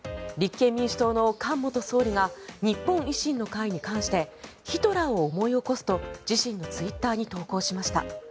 立憲民主党の菅元総理が日本維新の会に関してヒトラーを思い起こすと自身のツイッターに投稿しました。